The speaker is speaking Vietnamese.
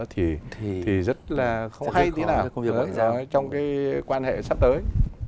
thì rất là không hay thế nào trong cái quan hệ sắp tới